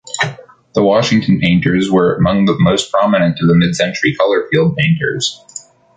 The Washington painters were among the most prominent of the mid-century color field painters.